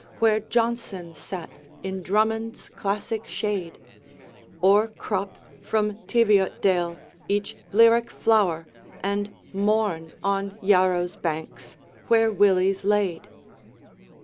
Where Jonson sat in Drummond's [classic] shade, Or crop from Teviot's dale each [lyric flower] And mourn on Yarrow's banks [where Willy's laid!